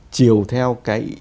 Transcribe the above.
chiều theo cái